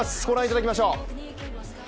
ご覧いただきましょう。